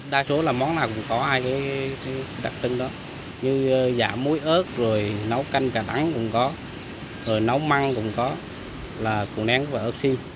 đa số là món nào cũng có hai cái đặc trưng đó như giả muối ớt rồi nấu canh cà đắng cũng có rồi nấu măng cũng có